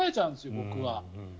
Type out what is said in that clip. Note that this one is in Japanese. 僕は。